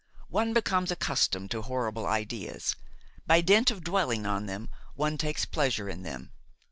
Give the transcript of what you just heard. One becomes accustomed to horrible ideas; by dint of dwelling on them one takes pleasure in them.